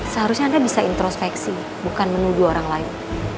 seharusnya anda bisa introspeksi bukan menuduh orang lain